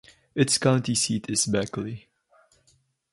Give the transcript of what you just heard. Its county seat is Beckley.